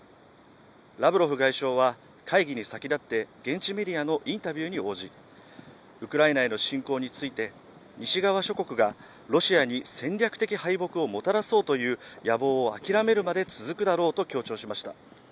ラブロフ外相は会議に先立って、現地メディアのインタビューに応じ、ウクライナへの侵攻について、西側諸国がロシアに戦略的敗北をもたらそうという野望を諦めるまで続くだろうと強調しました。